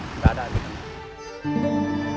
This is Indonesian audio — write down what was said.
tidak ada lagi